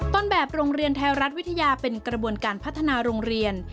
ต้นแบบโรงเรียนไทยรัฐวิทยาเป็นกระบวนการพัฒนาโรงเรียน